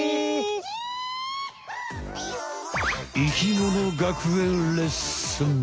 生きもの学園レッスン！